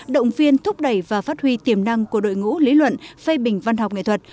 động viên thúc đẩy và phát huy tiềm năng của đội ngũ lý luận phê bình văn học nghệ thuật